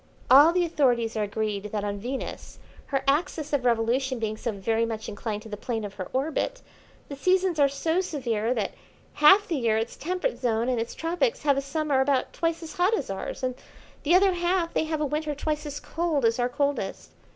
All the authorities are agreed that on Venus, her axis of revolution being so very much inclined to the plane of her orbit, the seasons are so severe that half the year its temperate zone and its tropics have a summer about twice as hot as ours and the other half they have a winter twice as cold as our coldest.